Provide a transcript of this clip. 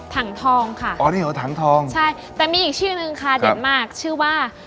ถังทองค่ะอ๋อนี่เหรอถังทองใช่แต่มีอีกชื่อนึงค่ะเด็ดมากชื่อว่า